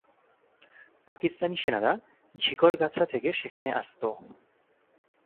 পাকিস্তানি সেনারা ঝিকরগাছা থেকে সেখানে আসত।